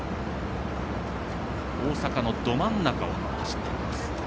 大阪の、ど真ん中を走っています。